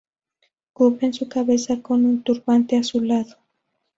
Cubren su cabeza con un turbante azulado.